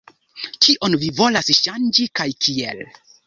Kion vi volas ŝanĝi kaj kiel?